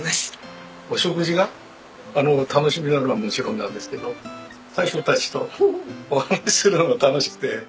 お食事が楽しみなのはもちろんなんですけど大将たちとお話しするのが楽しくて。